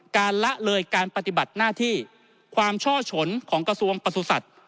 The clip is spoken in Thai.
ละเลยการปฏิบัติหน้าที่ความช่อฉนของกระทรวงประสุทธิ์